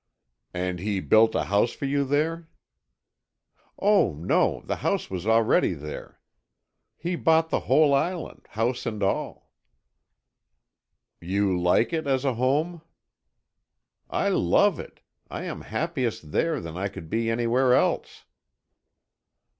"And he built a house for you there?" "Oh, no, the house was already there. He bought the whole island, house and all." "You like it as a home?" "I love it. I am happier there than I could be anywhere else."